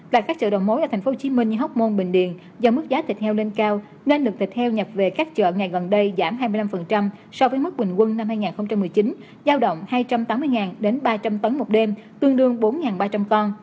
tại các chợ đồng mối ở thành phố hồ chí minh như hóc môn bình điền do mức giá thịt heo lên cao nên lực thịt heo nhập về các chợ ngày gần đây giảm hai mươi năm so với mức bình quân năm hai nghìn một mươi chín giao động hai trăm tám mươi đến ba trăm linh tấn một đêm tương đương bốn ba trăm linh con